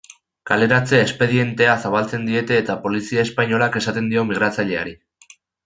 Kaleratze espedientea zabaltzen diete eta polizia espainolak esaten dio migratzaileari.